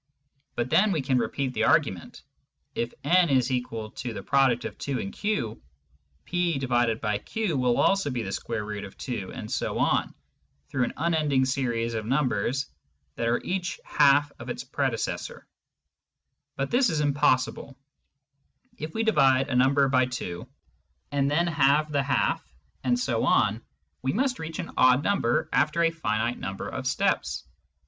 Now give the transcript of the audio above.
But then we can repeat the argument : if n=2q, pjq will also be the square root of 2, and so on, through an unending series of numbers that are each half of its predecessor. But this is impossible ; if we divide a number by 2, and then halve the half, and so on, we must reach an odd number after a finite number of steps.